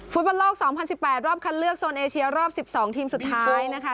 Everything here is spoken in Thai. ฟุตบอลโลก๒๐๑๘รอบคัดเลือกโซนเอเชียรอบ๑๒ทีมสุดท้ายนะคะ